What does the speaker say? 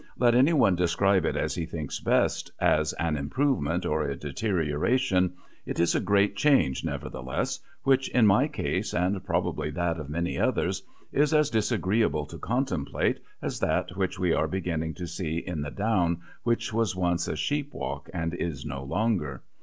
Let anyone describe it as he thinks best, as an improvement or a deterioration, it is a great change nevertheless, which in my case and probably that of many others is as disagreeable to contemplate as that which we are beginning to see in the down, which was once a sheep walk and is so no longer.